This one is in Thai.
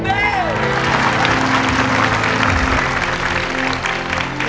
แม่ครับ